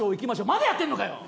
まだやってんのかよ！